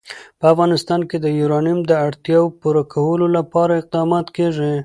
په افغانستان کې د یورانیم د اړتیاوو پوره کولو لپاره اقدامات کېږي.